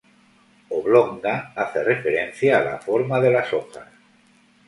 Oblonga, hace referencia a la forma de las hojas.